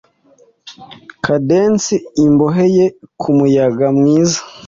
Cadence imboheye kumuyaga mwiza